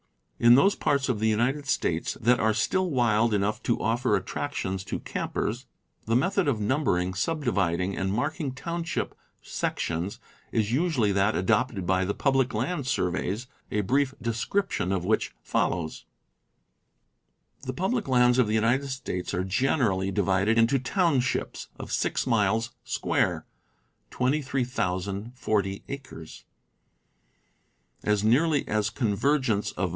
In those parts of the United States that are still wild enough to offer attractions to campers, the method of numbering, subdividing, and marking township sec tions is usually that adopted by the public land surveys, a brief description of which follows: The public lands of the United States are generally divided into townships of six miles square (23,040 _,. acres), as nearly as convergence of Township and .<:„* x i. • i.